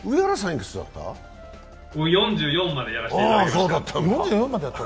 僕、４４までやらせていただきました。